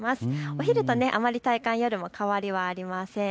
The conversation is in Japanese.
お昼とあまり体感、夜も変わりはありません。